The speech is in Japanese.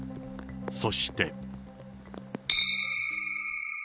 そして。